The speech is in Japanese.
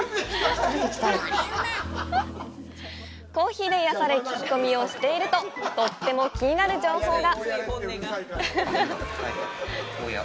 コーヒーで癒やされ、聞き込みをしているととっても気になる情報が。